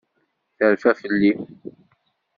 Terfa fell-i.